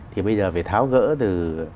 thì bây giờ phải tháo gỡ từ